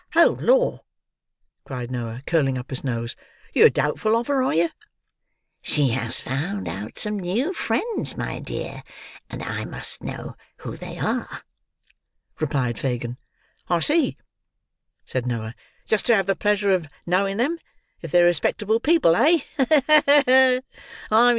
"Oh Lor!" cried Noah, curling up his nose. "Yer doubtful of her, are yer?" "She has found out some new friends, my dear, and I must know who they are," replied Fagin. "I see," said Noah. "Just to have the pleasure of knowing them, if they're respectable people, eh? Ha! ha! ha!